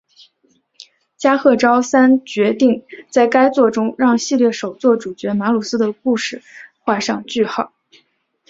加贺昭三决定在该作中让系列首作主角马鲁斯的故事画上句号。